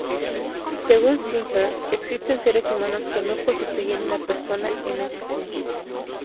Según Singer existen seres humanos que no constituyen una persona en este sentido.